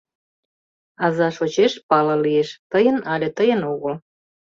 Аза шочеш — пале лиеш: тыйын але тыйын огыл.